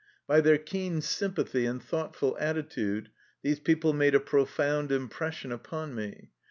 By their keen sympathy and thoughtful atti tude these people made a profound impression upon me.